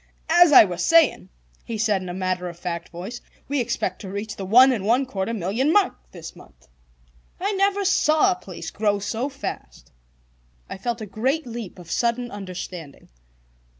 "As I was saying," he said in a matter of fact voice, "we expect to reach the one and one quarter million mark this month. I never saw a place grow so fast." I felt a great leap of sudden understanding.